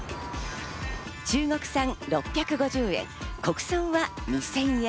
中国産６５０円、国産は２０００円。